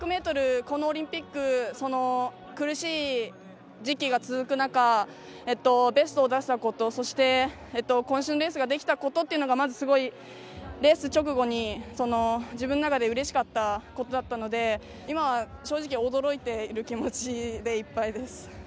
私も５００ｍこのオリンピック、苦しい時期が続く中ベストを出せたことそしてこん身のレースができたことというのはまずすごい、レース直後に、自分の中でうれしかったことなので今、正直、驚いている気持ちでいっぱいです。